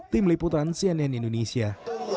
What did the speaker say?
tim liputan cnn indonesia